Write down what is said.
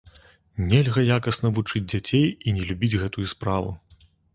Нельга якасна вучыць дзяцей і не любіць гэтую справу.